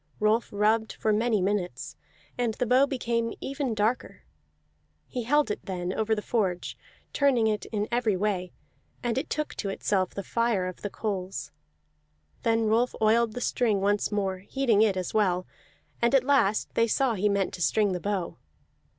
Rolf rubbed for many minutes, and the bow became ever darker; he held it then over the forge, turning it in every way, and it took to itself the fire of the coals. Then Rolf oiled the string once more, heating it as well; and at last they saw he meant to string the bow.